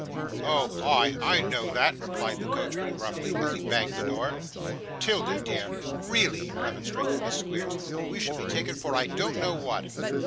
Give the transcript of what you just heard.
'Oh, ah! I know that,' replied the coachman gruffly, as he banged the door. ''Tilda, dear, really,' remonstrated Miss Squeers, 'we shall be taken for I don't know what.